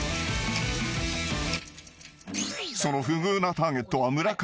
［その不遇なターゲットは］